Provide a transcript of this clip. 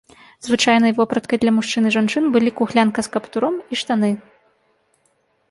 Звычайнай вопраткай для мужчын і жанчын былі кухлянка з каптуром і штаны.